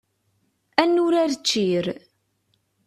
Ad nurar ččir.